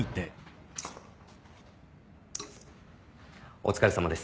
お疲れさまです。